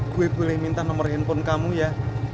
gue boleh minta nomor handphone kamu ya